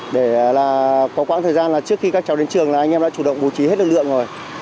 để là có quãng thời gian là trước khi các cháu đến trường là anh em đã chủ động bố trí hết lực lượng rồi